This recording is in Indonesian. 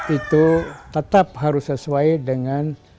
itu tetap harus sesuai dengan